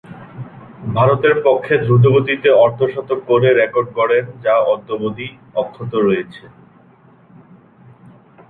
ভারতের পক্ষে দ্রুতগতিতে অর্ধ-শতক করে রেকর্ড গড়েন যা অদ্যাবধি অক্ষত রয়েছে।